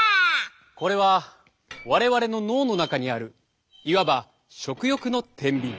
これは我々の脳の中にあるいわば食欲の天秤。